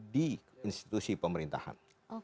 di institusi pemerintahan